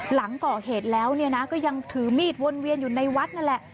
หลังก่อเหตุแล้วเนี่ยนะก็ยังถือมีดวนเวียนอยู่ในวัดนั่นแหละ